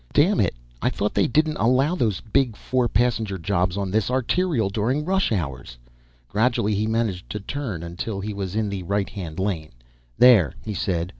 "Damn it, I thought they didn't allow those big four passenger jobs on this arterial during rush hours!" Gradually he managed to turn until he was in the righthand lane. "There," he said.